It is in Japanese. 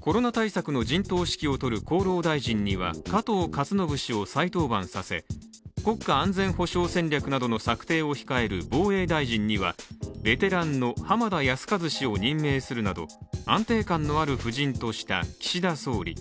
コロナ対策の陣頭指揮を取る厚労大臣には加藤勝信氏を再登板させ、国家安全保障戦略などの策定を控える防衛大臣には、ベテランの浜田靖一氏を任命するなど安定感のある布陣とした岸田総理。